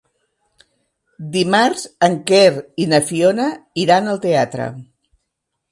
Dimarts en Quer i na Fiona iran al teatre.